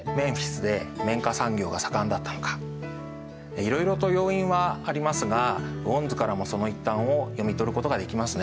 いろいろと要因はありますが雨温図からもその一端を読み取ることができますね。